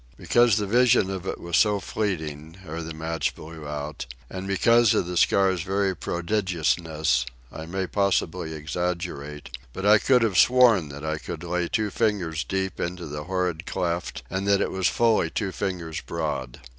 Because the vision of it was so fleeting, ere the match blew out, and because of the scar's very prodigiousness, I may possibly exaggerate, but I could have sworn that I could lay two fingers deep into the horrid cleft and that it was fully two fingers broad.